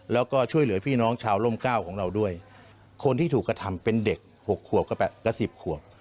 แล้วก็ช่วยเหลือพี่น้องชาวร่มก้าวของเราด้วยคนที่ถูกกระทำเป็นเด็ก๖ขวบกับสิบขวบ